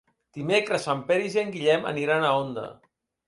Dimecres en Peris i en Guillem aniran a Onda.